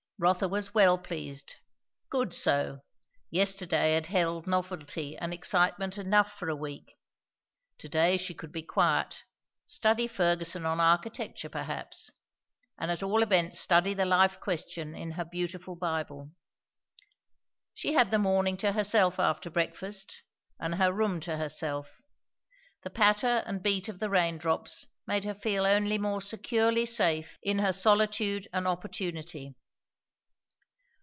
Rotha was well pleased. Good so; yesterday had held novelty and excitement enough for a week; to day she could be quiet, study Fergusson on architecture, perhaps; and at all events study the life question in her beautiful Bible. She had the morning to herself after breakfast, and her room to herself; the patter and beat of the rain drops made her feel only more securely safe in her solitude and opportunity.